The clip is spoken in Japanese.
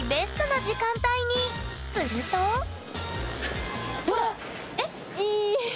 するとうわっいい！